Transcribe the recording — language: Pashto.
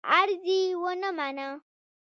عرض یې ونه مانه.